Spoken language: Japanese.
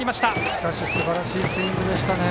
しかしすばらしいスイングでしたね。